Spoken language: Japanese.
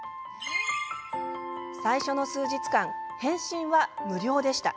最初の数日間、返信は無料でした。